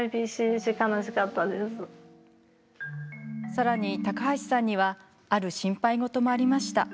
さらに、高橋さんにはある心配事もありました。